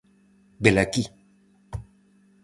Velaquí!